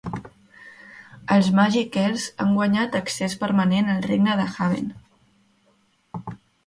Els Magickers han guanyat accés permanent al regne de Haven.